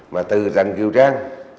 mà từ rành kiều trang